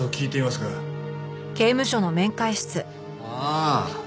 ああ。